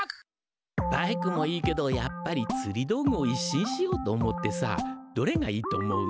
バイクもいいけどやっぱりつり道具を一新しようと思ってさどれがいいと思う？